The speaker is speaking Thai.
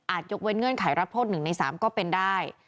ยกเว้นเงื่อนไขรับโทษ๑ใน๓ก็เป็นได้